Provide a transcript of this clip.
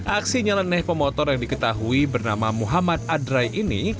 aksi nyeleneh pemotor yang diketahui bernama muhammad adrai ini